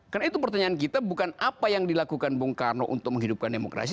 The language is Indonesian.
karena itu pertanyaan kita bukan apa yang dilakukan bung karno untuk menghidupkan demokrasi